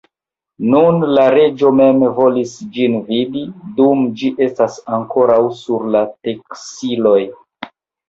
Nun la reĝo mem volis ĝin vidi, dum ĝi estas ankoraŭ sur la teksiloj.